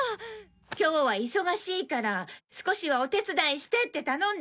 今日は忙しいから少しはお手伝いしてって頼んであったでしょ？